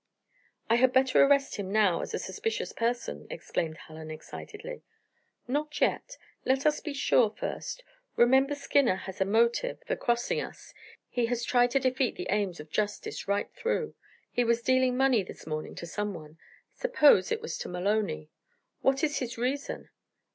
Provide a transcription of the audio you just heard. "I had better arrest him now as a suspicious person," exclaimed Hallen excitedly. "Not yet. Let us be sure first remember Skinner has a motive for crossing us; he has tried to defeat the aims of justice right through. He was dealing money this morning to someone; suppose it was to Maloney what is his reason?"